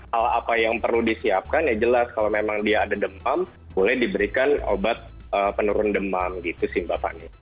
hal apa yang perlu disiapkan ya jelas kalau memang dia ada demam boleh diberikan obat penurun demam gitu sih mbak fani